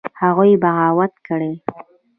هغوى بغاوت کړى.